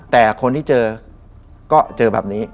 แต่คนที่เจอก็เจอแบบนี้